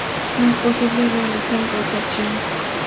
No es posible realizar rotación.